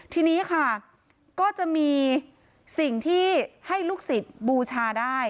ทีนี้ค่ะก็จะมีสิ่งที่ให้ลูกศิษย์บูชาได้